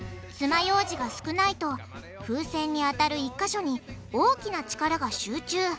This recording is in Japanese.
まようじが少ないと風船に当たる１か所に大きな力が集中。